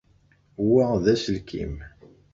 Wa d aselkim.